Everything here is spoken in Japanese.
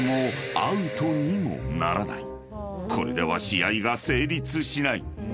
［これでは試合が成立しない］